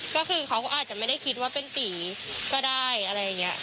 ก็คือเขาก็อาจจะไม่ได้คิดว่าเป็นตีก็ได้อะไรอย่างนี้